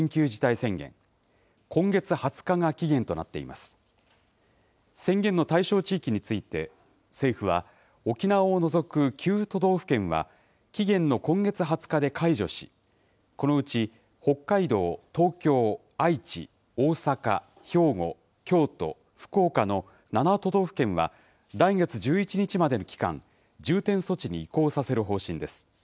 宣言の対象地域について、政府は、沖縄を除く９都道府県は、期限の今月２０日で解除し、このうち北海道、東京、愛知、大阪、兵庫、京都、福岡の７都道府県は、来月１１日までの期間、重点措置に移行させる方針です。